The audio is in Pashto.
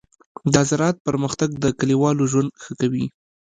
د زراعت پرمختګ د کليوالو ژوند ښه کوي.